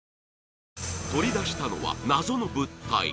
取り出したのは謎の物体